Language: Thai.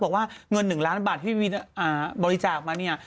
บอกว่าเงิน๑ล้านบาทที่บริจาคมาเนี่ย